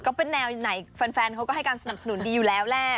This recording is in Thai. ก็เป็นแนวไหนแฟนเขาก็ให้การสนับสนุนดีอยู่แล้วแหละ